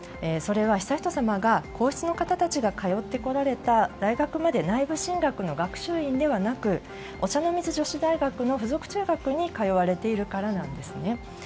それは悠仁さまが皇室の方たちが通ってこられた大学まで内部進学ではなくお茶の水女子大学の附属中学に通われているからなんですね。